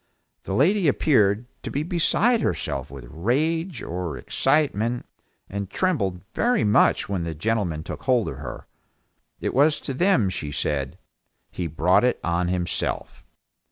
The lady appeared to be beside herself with rage or excitement, and trembled very much when the gentlemen took hold of her; it was to them she said, "He brought it on himself."